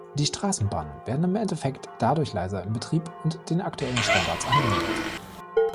Die Straßenbahnen werden im Endeffekt dadurch leiser im Betrieb und den aktuellen Standards angenähert.